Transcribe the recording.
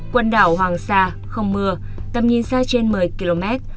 quần đảo hoàng sa không mưa tầm nhìn xa trên một mươi km